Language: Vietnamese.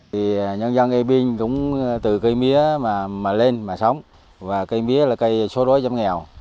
thì nhân dân ebin cũng từ cây mía mà lên mà sống và cây mía là cây số đối giống nghèo